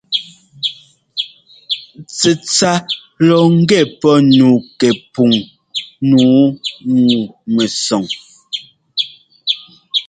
Tsɛtsa lɔ ŋgɛ pɔ nu pɛpuŋ nǔu ŋu-mɛsɔŋ.